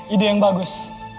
ide yang bagus